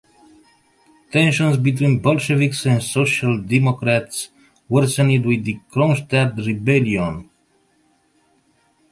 Tensions between Bolsheviks and social democrats worsened with the Kronstadt rebellion.